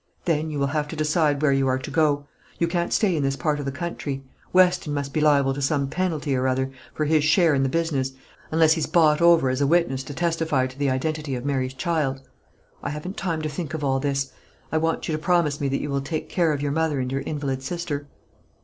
Then you will have to decide where you are to go. You can't stay in this part of the country. Weston must be liable to some penalty or other for his share in the business, unless he's bought over as a witness to testify to the identity of Mary's child. I haven't time to think of all this. I want you to promise me that you will take care of your mother and your invalid sister."